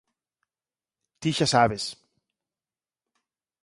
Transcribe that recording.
Ti xa sabes.